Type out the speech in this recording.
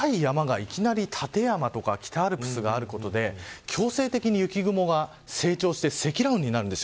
いきなり立山とか北アルプスがあることで強制的に雪雲が成長して積乱雲になるんです。